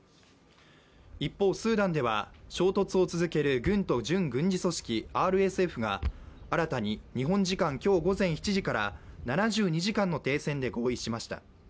一方、スーダンでは衝突を続ける軍と準軍事組織ＲＳＦが新たに日本時間今日午前７時から７２時間の停戦で合意しました。